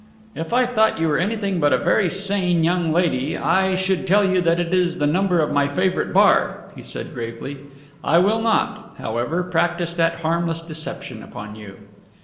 "If I thought you were anything but a very sane young lady, I should tell you that it is the number of my favourite bar," he said gravely. "I will not, however, practise that harmless deception upon you."